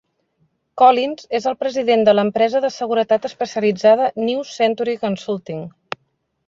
Collins és el president de l'empresa de seguretat especialitzada New Century Consulting.